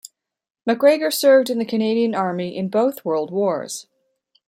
MacGregor served in the Canadian army in both world wars.